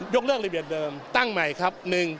เลิกระเบียบเดิมตั้งใหม่ครับ